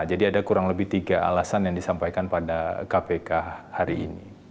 jadi ada kurang lebih tiga alasan yang disampaikan pada kpk hari ini